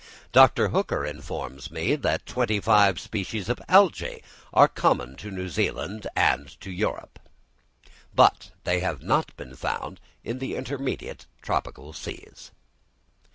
Dr. Hooker informs me that twenty five species of Algæ are common to New Zealand and to Europe, but have not been found in the intermediate tropical seas.